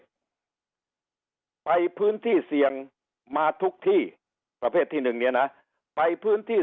ประเภทไปพื้นที่เสียงมาทุกที่ประเภทที่๑เนี่ยนะไปพื้นที่